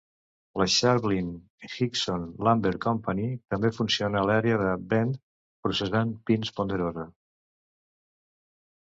La Shevlin-Hixon Lumber Company també funciona l'àrea de Bend processant pins ponderosa.